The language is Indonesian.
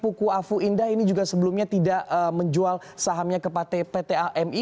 puku afu indah ini juga sebelumnya tidak menjual sahamnya ke pt ami